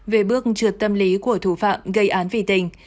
về bước trượt tâm lý của thủ phạm gây án vì tình